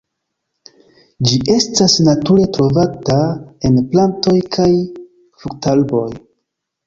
Ĝi estas nature trovata en plantoj kaj fruktarboj.